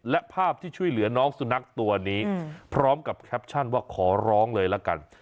และภาพที่ช่วยเหลือน้องสุนัขตัวนี้พร้อมกับแคปชั่นว่าขอร้องเลยละกัน